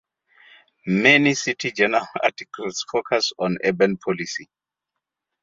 Many "City Journal" articles focus on urban policy.